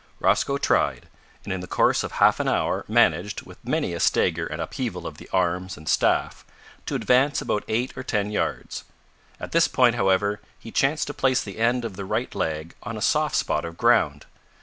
Rosco tried, and in the course of half an hour managed, with many a stagger and upheaval of the arms and staff to advance about eight or ten yards. At this point, however, he chanced to place the end of the right leg on a soft spot of ground.